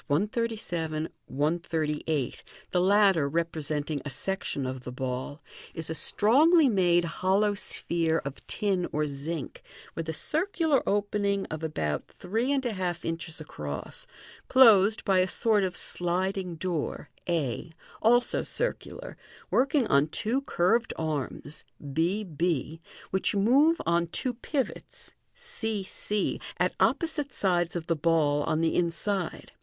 137, 138, the latter representing a section of the ball) is a strongly made hollow sphere of tin or zinc, with a circular opening of about three and a half inches across, closed by a sort of sliding door, a, also circular, working on two curved arms, b b, which move on two pivots, c c, at opposite sides of the ball on the inside.